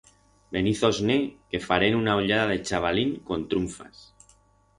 Veniz-os-ne que farem una ollada de chabalín con trunfas.